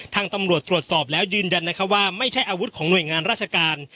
ทางตำรวจตรวจสอบแล้วยืนยันนะคะว่าไม่ใช่อาวุธของหน่วยงานราชการ